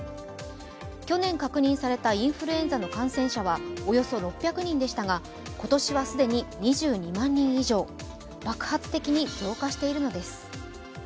去年、確認されたインフルエンザの感染者はおよそ６００人でしたが今年は既に２２万人以上、爆発的に増加しているのです。